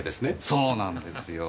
そうなんですよ。